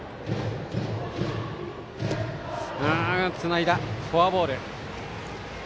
つないだ、フォアボール。